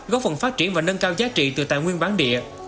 góp phần phát triển và nâng cao giá trị từ tài nguyên bán địa